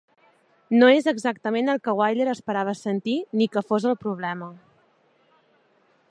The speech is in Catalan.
No és exactament el que Wyler esperava sentir ni que fos el problema.